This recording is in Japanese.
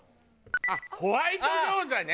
あっホワイト餃子ね！